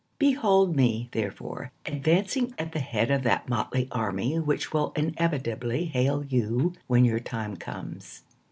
Behold me, therefore, advancing At the head of that motley army Which will inevitably hail you When your time comes.